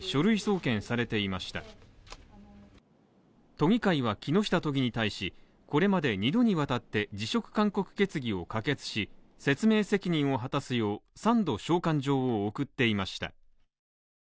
都議会は木下都議に対し、これまで２度にわたって辞職勧告決議を可決し、説明責任を果たすよう、３度召喚状を送っていました。